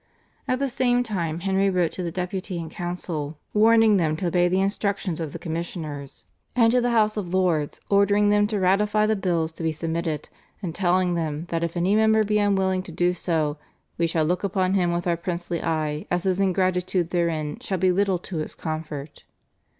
At the same time Henry wrote to the Deputy and council warning them to obey the instructions of the commissioners, and to the House of Lords ordering them to ratify the bills to be submitted, and telling them that if any member be unwilling to do so, "we shall look upon him with our princely eye as his ingratitude therein shall be little to his comfort."